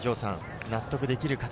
納得できる形。